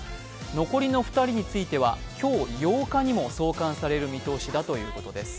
残りの２人については今日８日にも送還される見通しだということです。